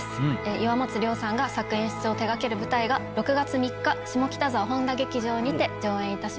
岩松了さんが作・演出を手掛ける舞台が６月３日下北沢本多劇場にて上演いたします。